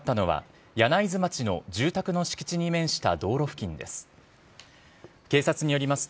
事故があったのは柳津町の住宅の敷地に面した道路付近です。